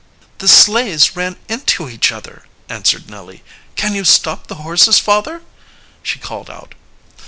"The sleighs ran into each other," answered Nellie. "Can you stop the horses, father?" she called out.